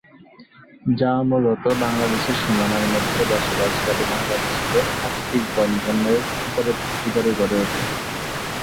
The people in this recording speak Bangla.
যা মূলত বাংলাদেশের সীমানার মধ্যে বসবাসকারী বাংলাদেশীদের আত্মিক বন্ধনের ওপরে ভিত্তি করে গড়ে ওঠে।